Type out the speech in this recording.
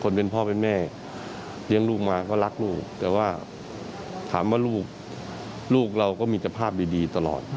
พ่อเป็นแม่เลี้ยงลูกมาก็รักลูกแต่ว่าถามว่าลูกลูกเราก็มีสภาพดีตลอด